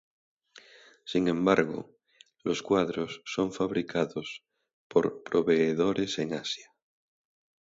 Sin embargo, los cuadros son fabricados por proveedores en Asia.